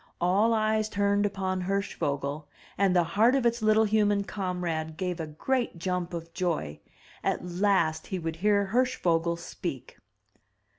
All eyes turned upon Hirschvogel, and the heart of its Uttle human comrade gave a great jump of joy. At last he would hear Hirschvogel speak.